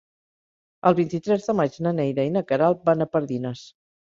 El vint-i-tres de maig na Neida i na Queralt van a Pardines.